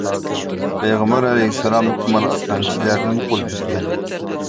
پەيغەمبەر ئەلەيھىسسالام تۇمار ئاسقان كىشىلەردىن قول ئۈزگەن.